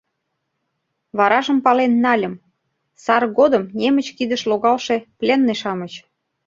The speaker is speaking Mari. Варажым пален нальым: сар годым немыч кидыш логалше пленный-шамыч.